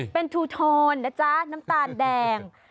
เป็นทูโทนนะจ๊ะน้ำตาลแดง